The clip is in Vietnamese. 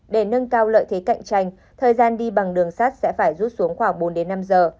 để nâng cao lợi thế cạnh tranh thời gian đi bằng đường sắt sẽ phải rút xuống khoảng bốn đến năm giờ